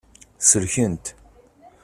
Selkent.